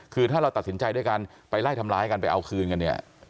คือถ้าเราตัดสินใจด้วยกันไปไล่ทำร้ายกันไปเอาคืนกันเนี่ย